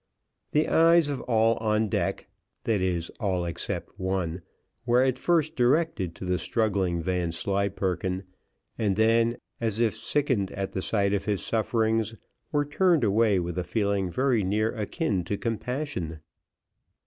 The eyes of all on deck (that is all except one) were at first directed to the struggling Vanslyperken, and then, as if sickened at the sight of his sufferings, were turned away with a feeling very near akin to compassion.